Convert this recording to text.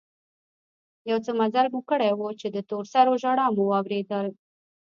يو څه مزل مو کړى و چې د تور سرو ژړا مو واورېدل.